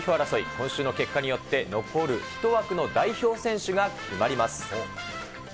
今週の結果によって、残る１枠の代表選手が決まります。